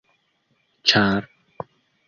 ĉar